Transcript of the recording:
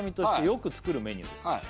「よく作るメニューです